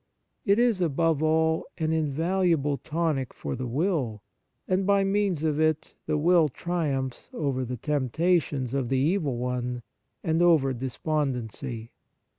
It is, above all, an invaluable tonic for the will, and, by means of it, the will triumphs over the temptations of the evil one, and over despondency.